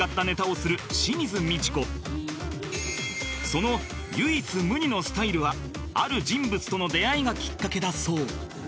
その唯一無二のスタイルはある人物との出会いがきっかけだそう